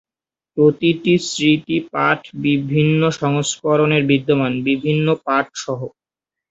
প্রতিটি স্মৃতি পাঠ বিভিন্ন সংস্করণে বিদ্যমান, বিভিন্ন পাঠ সহ।